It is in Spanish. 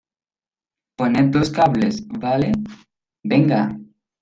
poned los cables, ¿ vale? venga.